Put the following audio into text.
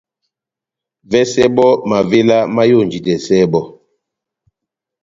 Vɛsɛ bɔ́ mavéla máyonjidɛsɛ bɔ́.